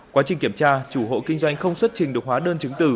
quá trình kiểm tra chủ hộ kinh doanh không xuất trình được hóa đơn chứng từ